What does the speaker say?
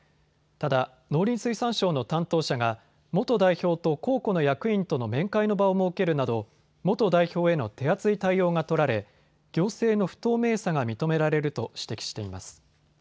ただ、農林水産省の担当者が元代表と公庫の役員との面会の場を設けるなど元代表への手厚い対応が取られ行政の不透明さが認められると指摘しています。